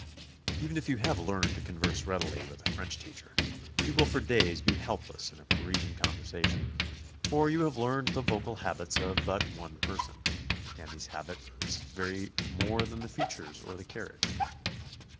Even if you have learned to converse readily with a French teacher, you will for days be helpless in Parisian con versation, for you have learned the vocal habits of but one person, and these habits vary more than the features or the carriage.